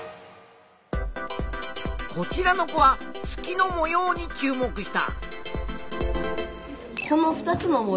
こちらの子は月の模様に注目した。